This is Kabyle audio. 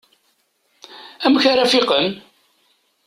Amek ara fiqen?